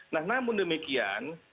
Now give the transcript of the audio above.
nah namun demikian